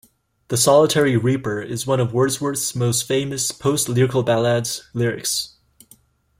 '"The Solitary Reaper is one of Wordsworth's most famous post-"Lyrical Ballads" lyrics".